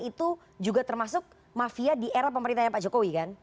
itu juga termasuk mafia di era pemerintahnya pak jokowi kan